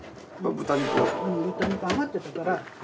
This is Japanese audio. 豚肉あまってたから。